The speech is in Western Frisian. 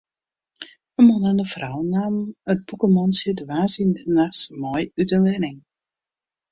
In man en in frou namen it bûkemantsje de woansdeitenachts mei út in wenning.